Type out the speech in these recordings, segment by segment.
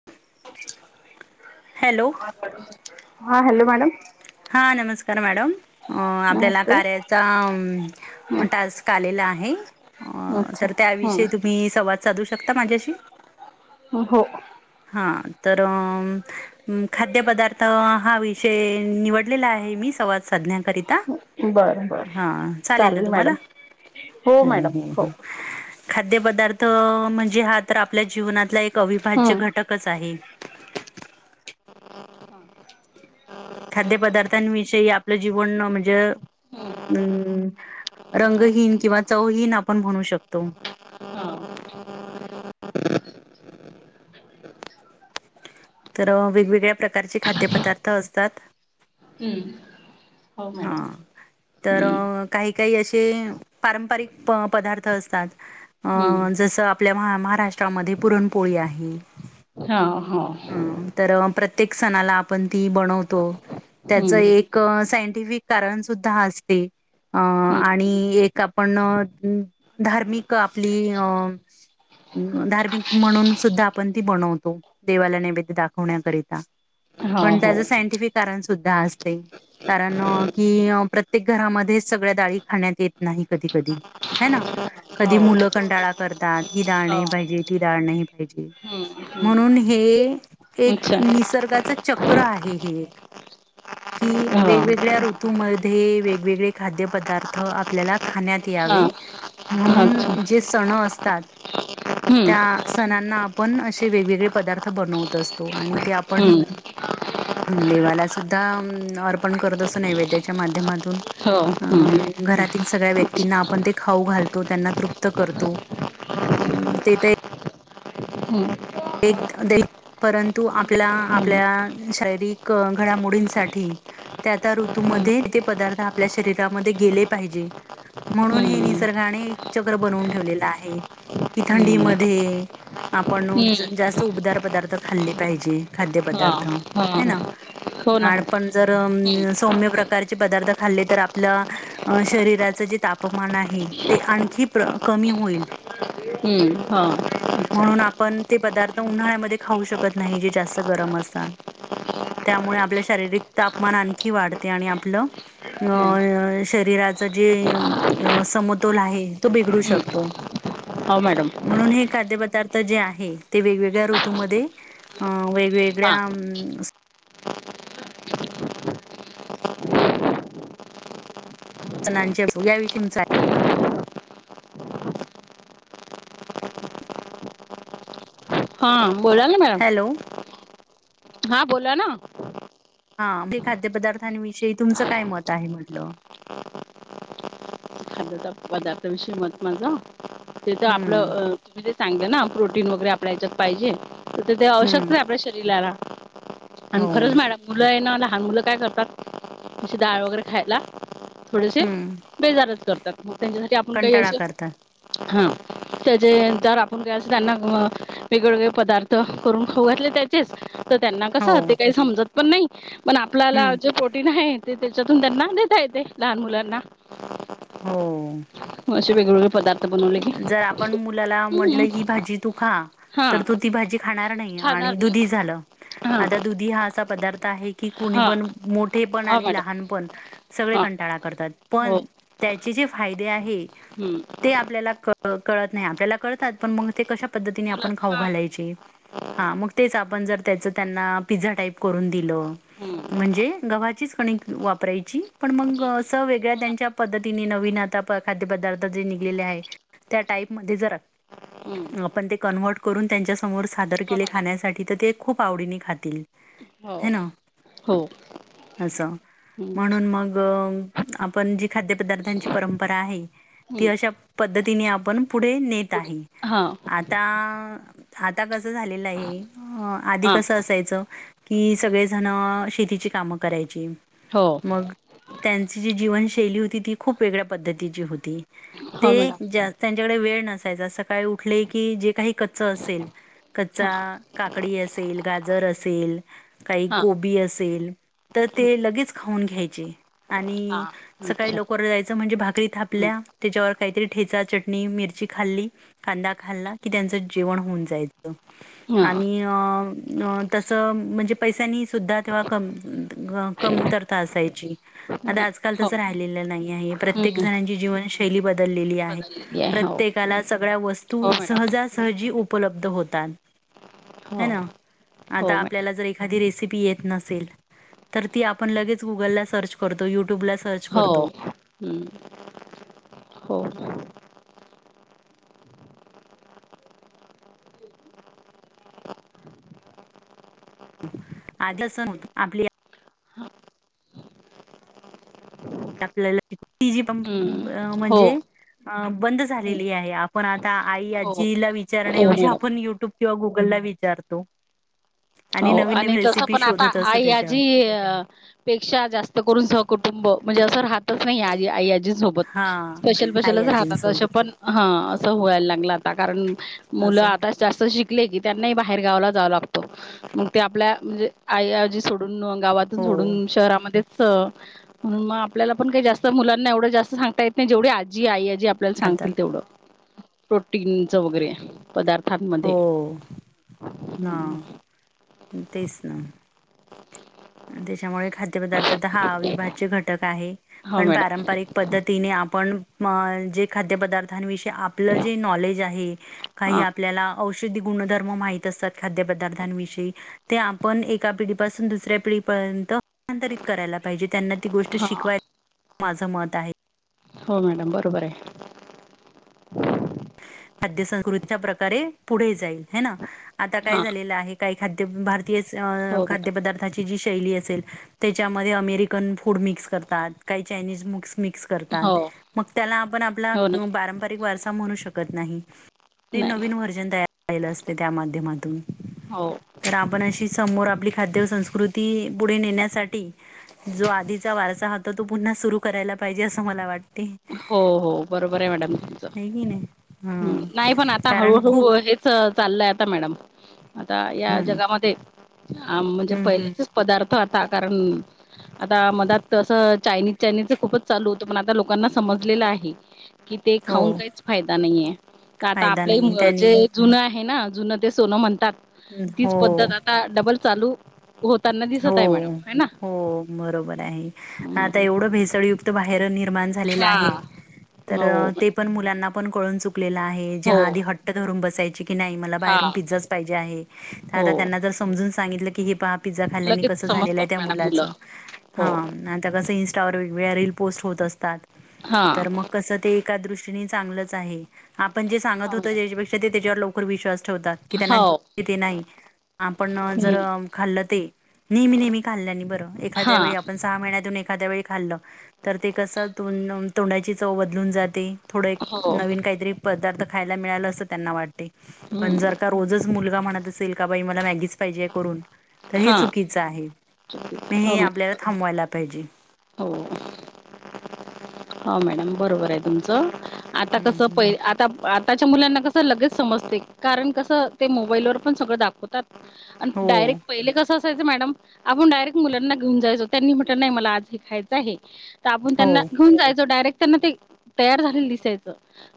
[inaudible] Hello. हा hello madam. हा नमस्कार मॅडम. अ आपल्याला नमस्ते कार्याचा हम्म टास्क आलेला आहे. अ अच्छा तर त्याविषयी हम्म तुम्ही, संवाद साधू शकता माझ्याशी. ह हो. हा तर. खाद्य पदार्थ हा विषय निवडलेला, आहे मी संवाद साधण्याकरिता. बरं बरं हा चालेल ना तुम्हाला हो. मॅडम हो खाद्य पदार्थ म्हणजे हा तर आपल्या जीवनातला, एक अविभाज्य हम्म घट. कच आहे. खाद्यपदार्थांविषयी, आपलं जीवन म्हणजे. अम् रंगहीन किंवा चवहीन, आपण म्हणू शकतो. हम्म तर वेगवेगळ्या, प्रकारचे खाद्यपदार्थ असतात. हम्म हो मॅडम. हां तर हम्म काही काही असे, पारंपरिक प पदार्थ असतात. अ हम्म जसं आपल्या महाराष्ट्रामध्ये, पुरणपोळी आहे. हा हो. हं तर प्रत्येक सणाला, आपण ती बनवतो त्याच हम्म एक. सायंटिफिक कारण सुद्धा असते. अं हम्म आणि एक आपण, धार्मिक आपली अं. धार्मिक म्हणून सुद्धा, आपण ती बनवतो. देवाला नैवेद्य दाखवण्याकरिता हा पण हो त्याचं सायंटिफिक, कारण सुद्धा असते. कारण की प्रत्येक घरामध्येच, सगळ्या डाळी खाण्यात येत नाही. कधी-कधी ह कधी मुलं कंटाळा करतात ही डाळ नाही पाहिजे, ती डाळ नाही पाहिजे. हम् म्हणून हम्म हे एक अच्छा निसर्गाच, चक्र आहे हे एक. कि हो वेगवेगळ्या ऋतूमध्ये वेगवेगळे, खाद्यपदार्थ आपल्याला खाण्यात. हा यावे अच्छा म्हणून जे सण असतात. हम्म त्या सणांना आपण, असे वेगवेगळे पदार्थ. बनवत असतो आणि ते आपण. हम्म देवाला सुद्धा अर्पण करत, असून नैवेद्याच्या माध्यमातून. हो हम्म अं घरातील सगळ्या व्यक्तींना आपण ते खाऊ, घालतो त्यांना तृप्त करतो. हम्म ते तर हम् एक दे. परंतु हम्म आपल्या-आपल्या शारीरिक घडामोडींसाठी. त्या त्या ऋतूमध्ये ते पदार्थ आपल्या, शरीरामध्ये गेले पाहिजे. म्हणून हे हम्म निसर्गाने, एक चक्र बनवून ठेवलेलं आहे. कि थंडी हम्म म आपण. हम्म जास्त उपदार पदार्थ, खाल्ले पाहिजे खाद्य हा पदार्थ हा ह हो नाड ना हम्म आपण जर अ सौम्य प्रकारचे, पदार्थ खाल्ले तर आपलं अ शरीराच जे तापमान आहे, ते आणखी कमी होईल. हम्म हा. अच्छा म्हणून आपण ते पदार्थ उन्हाळ्यामध्ये खाऊ शकत, नाही जे जास्त गरम असतात. त्यामुळे आपलं शारीरिक, तापमान आणखी वाढते आणि आपलं हा हम्म अ शरीराच जे समतोल आहे, तो बिघडू शकतो. [inaudible] हो, मॅडम. म्हणून हे खाद्यपदार्थ जे आहे, ते वेगवेगळ्या ऋतूमध्ये अ वे हा वेगळ्या नां याषयी [unintelligible] हां, बोला ना मॅडम? हॅलो? हा, बोला ना. हा, हे खाद्यपदार्थांविषयी तुमचं काय मत आहे म्हटलं? पदार्थांविषयी मत माझ, ते तर हम्म आपलं सांगतला ना प्रोटीन वगैरे आप ह्याच्यात पाहिजे, तर ते हम्म आवश्यकच आहे आपल्या शरीराला हो आणि खरंच मॅडम, मुलं आहे ना, लहान मुलं काय करतात, तशी डाळ वगैरे खायला थोडेसे हम्म बेजारच करतात, म त्यांच्यासाठी आपण काही कंटाळा असे करतात हा, त्याचे जर आपण ग अस त्यांना वेगळेवेगळे पदार्थ, करून खाऊ घातले त्याचेच, तर त्यांना हो कसं ते, काही समजत पण नाही. पण आपल्याला हम्म जे प्रोटीन आहे, ते त्याच्यातून त्यांना देता येते, लहान मुलांना हो. असे वेगवेगळे पदार्थ बनवले की जर आपण मुलाला म्हटलं, हम्म ही भाजी तू खा हा तर तो ती भाजी खाणार नाही, आणि खाणार नाही दुधी झालं, हा आता दुधी हा असा पदार्थ आहे कि कुणी हा पण, मोठे पण हा आणि मॅडम लहान पण, सगळे हा कंटाळा करतात. हो पण त्याचे जे फायदे आहे हम्म ते आपल्याला कळत नाही, आपल्याला कळतात, पण मग ते कशा पद्धतीने मुलं आपण खाऊ हा घालायचे. हा, मग तेच आपण जर त्याच त्यांना पिझ्झा टाईप करून दिलं हम्म म्हणजे गव्हाचीच कणिक वापरायची, पण मग हम्म अस वेगळ्या हो ना त्यांच्या पद्धतीने, नवीन आता खाद्य पदार्थ जे निघलेले आहे, त्या टाईप मध्ये जर हम्म आपण ते कन्वर्ट करून, त्यांच्या समोर सादर हो केले मॅडम खाण्यासाठी, तर ते खूप आवडीने खातील. हो, है ना हो. असं हम्म म्हणून मग, आपण जी खाद्यपदार्थांची परंपरा आहे, ती हम्म अश्या पद्धतीने आपण पुढे नेत पुढे आहे, हा आता आता कसं झालेलं आहे, आधी हा कसं असायचं कि, सगळेजण शेतीची कामं करायची. हो. मग, त्यांची जी जीवनशैली होती, ती खूप वेगळ्या पद्धतीची होती. ते हो मॅडम त्यांच्याकडे वेळ नसायचा, सकाळी उठले की जे काही कच्च असेल हा कच्चा काकडी असेल, गाजर असेल, काही हा गोबी असेल तर हं, ते लगेच खाऊन घ्यायचे. हा आणि सकाळी अच्छा लवकर जायचं, म्हणजे भाकरी हं, थापल्या, त्याच्यावर काहीतरी ठेचा, चटणी, मिरची खाल्ली, कांदा खाल्ला, की त्यांचं जेवण होऊन जायच. हा आणि अ तस म्हणजे, पैशांनी सुद्धा तेव्हा कमतरता असायची हो आता ना. आजकाल हो तसं राहिलेलं नाही आहे, प्रत्येक हं, जणांची जीवनशैली बदललेली आहे. बदललेली आहे हो प्रत्येकाला सगळ्या वस्तू हो मॅडम सहज सहजी, उपलब्ध होतात, हे हो ना, हो आता मॅडम आपल्याला जर एखादी रेसिपी येत नसेल, तर ती आपण लगेच गुगलला सर्च करतो, यूट्यूबला सर्च करतो. हो, हो. [unintelligible] आ आपली आपल्याला टी जी पंप हं, म्हण हो अ बंद झालेली आहे. आपण आता आई हो आजीला हो विचारण्याऐवजी मॅडम आपण युट्यूब किंवा गुगल ला विचारतो. [unintelligible] हो नवीन आणि नवीन तसं रेसिपी पण आता शोधत असतो आई त्याच्यावर आजी अ पेक्षा जास्त करून सहकुटुंब म्हणजे असं राहतच नाही आजी आई आजींसोबत हा स्पेशल आई बशलच राहतात असं आजींसोबत पण [inaudible] हा असं वयला लागलं आता कारण मुलं असं आता जास्त शिकले की त्यांनाही बाहेर गावला जाव लागतो मग ते आपल्या म्हणजे आई आजी सोडून गावातून हो सोडून शहरामध्ये म्हणून मग आपल्याला पण काही जास्त मुलांना एवढं जास्त सांगता येत नाही. जेवढी आजी आई आजी आपल्याला राहतात सांगतील तेवढं प्रोटीनच वगैरे पदार्थांमध्ये ह तेच ना त्याच्यामुळे खाद्यपदार्थ तर हा अविभाज्य घटक आहे. हो पण मॅडम पारंपरिक पद्धतीने आपण जे खाद्यपदार्थांविषयी आपलं जे नॉलेज आहे. काही हा आपल्याला औषधी गुणधर्म माहित असतात खाद्यपदार्थांविषयी. ते आपण एका पिढीपासून दुसऱ्या [unintelligible] आप पर्यंत स्थलांतरित करायला पाहिजे त्यांना ती गोष्ट हा शिकवाय माझं मत आहे हो मॅडम बरोबर आहे [unintelligible] खाद्य संस्कृतीच्या प्रकारे पुढे जाईल ह ना आता काय हा झालेलं आहे काही खाद्य भार अ हो खाद्य मॅडम पदार्थ [unintelligible] आची जी शैली असेल त्याच्यामध्ये अमेरिकन फूड मिक्स करतात काही चायनीज मक्स मिक्स हो मग त्याला आपण आप हो ना पारंपिक वार म्हणू शकत नाही री नाही नवीन व्हर्जन तयार झाहिलं असते त्या माध्यमातून हो [unintelligible] तर आपणशी समोर आपली खाद्य संस्कृती पुढे नेण्यासाठी जो आधीचा वारसा होता तो पुन्हा सुरू करायला पाहिजे असं मला वाटते हो हो बरोबर आहे मॅडम तुमचं आहे की नाही हा नाही पण आता कारण हळूहळू खूप हेच चाललंय आता मॅडम आता या हम्म जगामध्ये म्हणजे हम्म हम्म पहिलेच पदार्थ आता कारण [inaudible] आता मजातसं चायनीज चायनीज खूपच चालू होतं पण आता लोकांना समज आहे की ते हो खाऊन काहीच फायदा नाहीे तर आता फायदा आप नाहीये त्यानी जुनं आहे ना जुनं ते सोनं म्हणतात हो तीच पद्धत आता डबल चालू हो त्यांना हो हो बरोबर आहे आता एवढं भेसळयुक्त बाहेर निर्माण हा [unintelligible] [unintelligible] हो पण मुलांना पण कळून चुकलेला आहे हो ज्या आधी हट्ट धरून बसायची की नाही हा प हो त्यांम [unintelligible] व लगेच समजतात मॅडम मुलं हो वेगवेगळ्या रील पोस्ट होत असतात हा तर मग कसं ते एका दृष्टीने चांगलंच आहे आपण जे सांगत हा होतो मॅडम त्याच्यापेक्षा ते त्याच्यावर लवकर विश्वास ठेवतात की हो त्यांनाे नाही आपण जर हम्म खाल्ल ते नेहमी नेहमी खाल्ल्या बरं हा एखाद्या वळी पण सहा महिन्यातून एखाद्या वेळी खाल्लं तर ते कसं त तोंडाची चव बदलून जाते [inaudible] हो थोडं नवीन काहीतरी पदार्थ खायला मिळाल असं त्यांना वाटते पण जर हम्म रोजच मुलगा म्हणत असेल का बाई मला मॅगीच पाहिजे हे हां चुकीच आहे म हो हे मॅडम आपल्याला बरोबर थांबवायला पाहिजे हो [unintelligible] हो मॅडम बरोबर आहे तुमचं आता हम्म कसं प हम्म. आ आताच्या मुलांना कसं लगेच समजते कारण कसं ते मोबाईलवरर पण सगळं दाखवतात आणि हो डायरेक्ट पहिले कस. मॅडम आपण डायरेक्ट मुलांना घेऊन जायचो त्यांनी म्हटलं नाही मला आज हे खायचं आहे. ताबून हो त्यांना घेऊन जायचं डायरेक्ट त्यांना ते तयार झालेलं दिसायचं.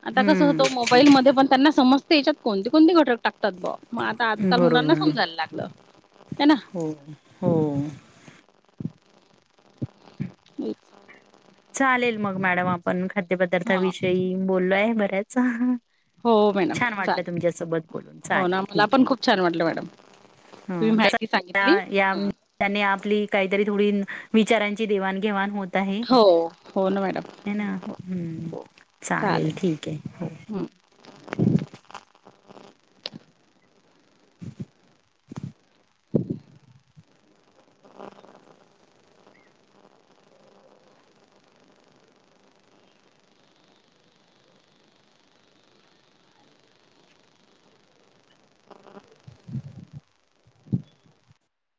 आता कस हम्म. होतो मोबाईल मध्ये पण त्यांना समस्त याच्यात कोणती कोणती घटक. टाकतात बा म आता आजकाल मुलांना बरोबर. समजायला लागलं हे ना. हो. हं. हम. चालेल मग मॅडम आपण हा खाद्यपदार्थाविषयी बोललोय बऱ्याच. हो मॅडम छान वाटलं तुमच्यासोबत चालेल बोलून हो ना चालेल मला ठीक पण आहे. खूप छान वाटलं मॅडम तुम्ही हं कसं माहिती सांगितली या या ह. त्याने आपली काहीतरी थोडी विचारांची देवाणघेवाण होत आहे. हो हो ना मॅडम ह ना हम्म हो, चालेल ठीक आहे हो. हं. [inaudible]